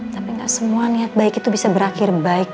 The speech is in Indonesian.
tapi gak semua niat baik itu bisa berakhir baik